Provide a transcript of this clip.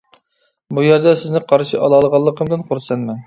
بۇ يەردە سىزنى قارشى ئالالىغانلىقىمدىن خۇرسەنمەن.